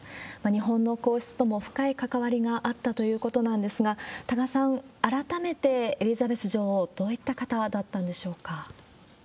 日本の皇室とも深い関わりがあったということなんですが、多賀さん、改めてエリザベス女王、どういった方だったんでしょうか？